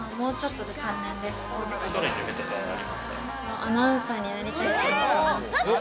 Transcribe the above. アナウンサーになりたいと思ってます。